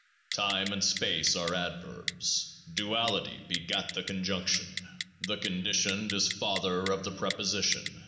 Time and Space are Adverbs. Duality begat the Conjunction. The Conditioned is Father of the Preposition.